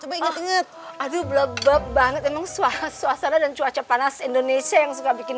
coba inget aduh blabep banget emang suasana dan cuaca panas indonesia yang suka bikin